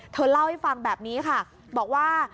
เธอเล่าให้ฟังแบบนี้ค่ะบอกว่า